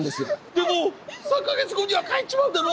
でも３か月後には帰っちまうんだろ！？